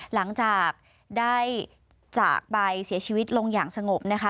หลังจากได้จากไปเสียชีวิตลงอย่างสงบนะคะ